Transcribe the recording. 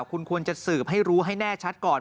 คุณควรจะสืบให้รู้ให้แน่ชัดก่อน